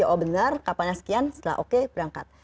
oh benar kapalnya sekian setelah oke berangkat